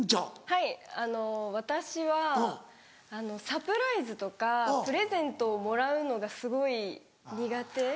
はい私はサプライズとかプレゼントをもらうのがすごい苦手。